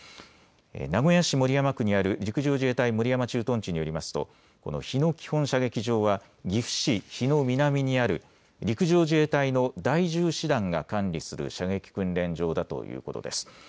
名古屋市守山区にある陸上自衛隊守山駐屯地によりますとこの日野基本射撃場は岐阜市日野南にある陸上自衛隊の第１０師団が管理する射撃訓練場だということです。